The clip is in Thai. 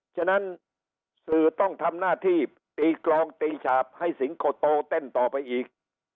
ฉะนั้นสื่อต้องทำหน้าที่ตีกรองตีฉาบให้สิงโตเต้นต่อไปอีก